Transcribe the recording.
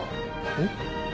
えっ？